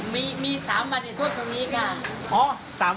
มี๓วันที่ท่วมตรงนี้ก้า